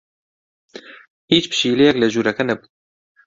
هیچ پشیلەیەک لە ژوورەکە نەبوو.